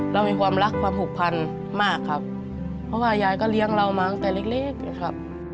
เรามีความรักความผูกพันมากครับเพราะว่ายายก็เลี้ยงเรามาตั้งแต่เล็กเลยครับ